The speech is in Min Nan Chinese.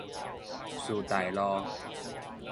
師大路